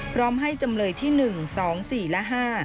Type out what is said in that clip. พร้อมให้จำเลยที่๑๒๔และ๕